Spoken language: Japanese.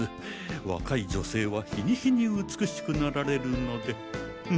若い女性は日に日に美しくなられるので。